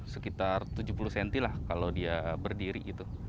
sekitar tujuh puluh cm lah kalau dia berdiri gitu